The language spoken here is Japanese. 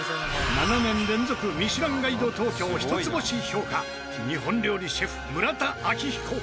７年連続『ミシュランガイド東京』一つ星評価日本料理シェフ村田明彦。